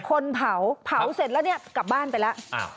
คนเผาเผาเสร็จแล้วเนี่ยกลับบ้านไปแล้ว